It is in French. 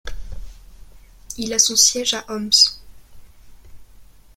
Il a son siège à Homs.